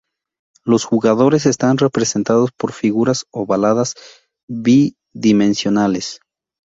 Los jugadores están representados por figuras ovaladas bidimensionales.